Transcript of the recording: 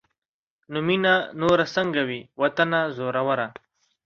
نو مينه نوره سنګه وي واطنه زوروره